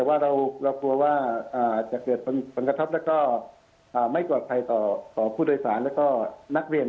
ยังไงเราเผลอว่าจะเกิดปังกระทับและไม่ปลอดภัยต่อผู้โดยสารและนักเรียน